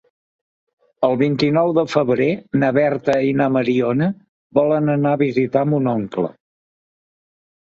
El vint-i-nou de febrer na Berta i na Mariona volen anar a visitar mon oncle.